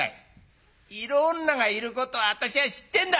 「色女がいることは私は知ってんだ」。